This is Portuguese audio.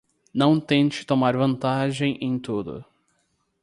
Não tente tomar vantagem em tudo